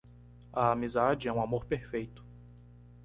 A amizade é um amor perfeito.